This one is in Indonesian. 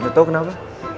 lo tau kenapa